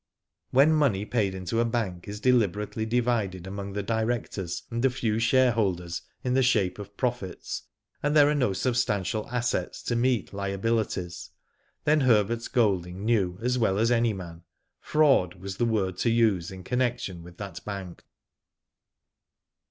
When money paid into a bank is deliberately divided amongst the directors and a few share holders in the shape of profits, and there are no substantial assets to meet liabilities, then Herbert Golding knew as well as any man *' fraud " was the word to use in connection with that bank.